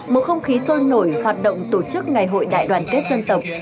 một không khí sôi nổi hoạt động tổ chức ngày hội đại đoàn kết dân tộc